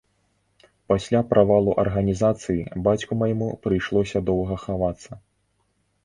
Пасля правалу арганізацыі бацьку майму прыйшлося доўга хавацца.